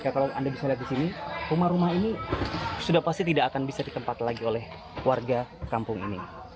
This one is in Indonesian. kalau anda bisa lihat di sini rumah rumah ini sudah pasti tidak akan bisa ditempat lagi oleh warga kampung ini